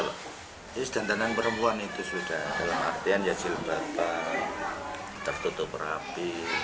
jadi sedantangan perempuan itu sudah dalam artian ya jilbatan tertutup berhapi